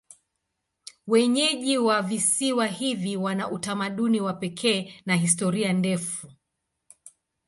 Wenyeji wa visiwa hivi wana utamaduni wa pekee na historia ndefu.